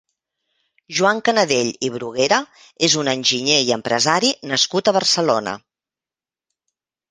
Joan Canadell i Bruguera és un enginyer i empresari nascut a Barcelona.